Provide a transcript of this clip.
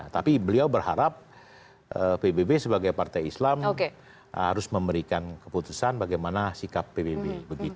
tapi beliau berharap pbb sebagai partai islam harus memberikan keputusan bagaimana sikap pbb